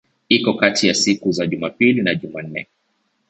Iko kati ya siku za Jumapili na Jumanne.